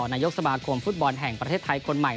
นายกสมาคมฟุตบอลแห่งประเทศไทยคนใหม่